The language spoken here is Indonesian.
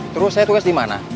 terus saya tugas di mana